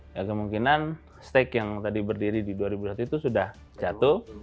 ya kemungkinan stake yang tadi berdiri di dua ribu dua puluh itu sudah jatuh